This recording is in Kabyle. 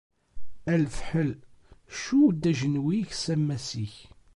A lefḥel, cudd ajenwi-k s ammas -ik!